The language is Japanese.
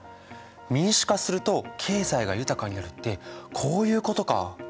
民主化すると経済が豊かになるってこういうことか。